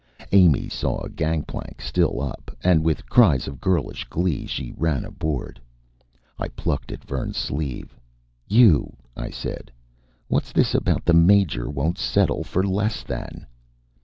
Amy saw a gangplank still up, and with cries of girlish glee ran aboard. I plucked at Vern's sleeve. "You," I said. "What's this about what the Major won't settle for less than?"